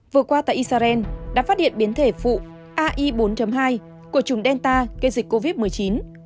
vừa qua tại israel đã phát hiện biến thể phụ ai bốn hai của chủng delta gây dịch covid một mươi chín